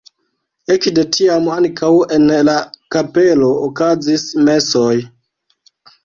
Ekde tiam ankaŭ en la kapelo okazis mesoj.